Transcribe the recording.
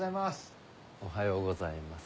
おはようございます。